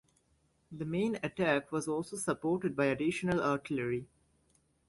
The main attack was also supported by additional artillery.